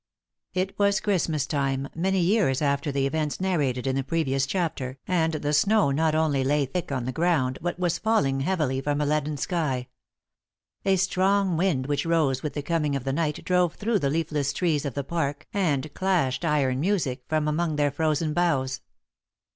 It was Christmas time, many years after the events narrated in the previous chapter, and the snow not only lay thick on the ground but was falling heavily from a leaden sky. A strong wind which rose with the coming of the night drove through the leafless trees of the park and clashed iron music from among their frozen boughs.